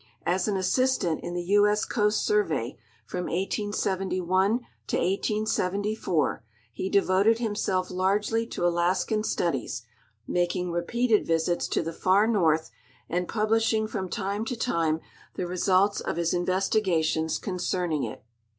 As an assistant in the U. S. Coast Survey from 1871 to 1874, he devoted himself largely to Alaskan studies, making repeated visits to the far north and publish ing from time to time the results of his investigations concerning it.